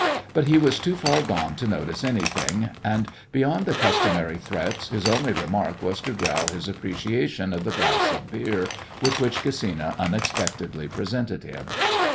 But he was too far gone to notice anything, and beyond the customary threats his only remark was to growl his appreciation of the glass of beer with which Gesina unexpectedly presented him.